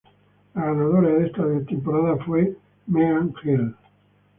La ganadora de esta temporada fue Meghan Gill.